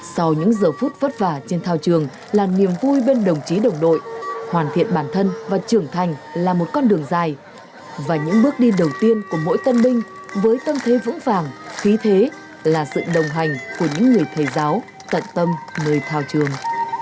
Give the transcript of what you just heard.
sau những giờ phút vất vả trên thao trường là niềm vui bên đồng chí đồng đội hoàn thiện bản thân và trưởng thành là một con đường dài và những bước đi đầu tiên của mỗi tân binh với tâm thế vững vàng khí thế là sự đồng hành của những người thầy giáo tận tâm nơi thao trường